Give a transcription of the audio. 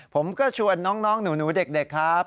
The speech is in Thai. ผมก็ชวนน้องหนูเด็กครับ